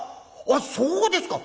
あっそうですか。